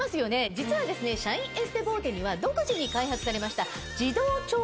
実はシャインエステボーテには独自に開発されました。